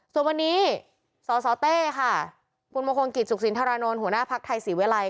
ส่วนวันนี้สสเต้ค่ะคุณมงคลกิจสุขสินธารานนท์หัวหน้าภักดิ์ไทยศรีวิลัย